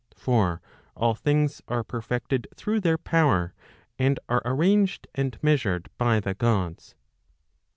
] For all things are perfected through, their power, and are arranged and measured by the Gods.